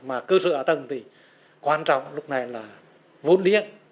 mà cơ sở hạ tầng thì quan trọng lúc này là